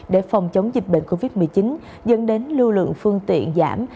để phòng chống dịch bệnh covid một mươi chín dẫn đến lưu lượng phương tiện giảm